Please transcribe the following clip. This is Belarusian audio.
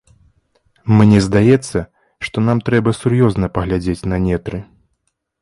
Мне здаецца, што нам трэба сур'ёзна паглядзець на нетры.